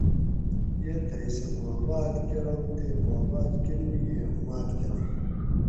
یہ تھے سہ محبات کرانت تے محباۤت کروگیں اُماد کرنت